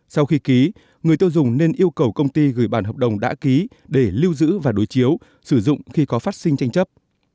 sau khi ký người tiêu dùng nên yêu cầu công ty gửi bản hợp đồng đã ký để lưu giữ và đối chiếu sử dụng khi có phát sinh tranh chấp